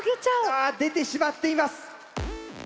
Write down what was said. あ出てしまっています。